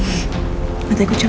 gue akan harus tawarku